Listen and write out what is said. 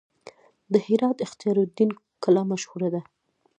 د هرات اختیار الدین کلا مشهوره ده